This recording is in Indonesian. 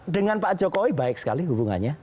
dengan pak jokowi baik sekali hubungannya